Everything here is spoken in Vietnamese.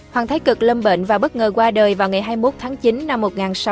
hoàng thái cực lâm bệnh và bất ngờ qua đời vào ngày hai mươi một tháng chín năm một nghìn sáu trăm bốn mươi ba